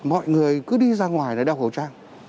mọi người cứ đi ra ngoài là đeo khẩu trang